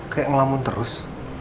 kayak ngelamun terus